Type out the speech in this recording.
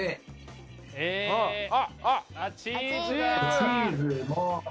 チーズも。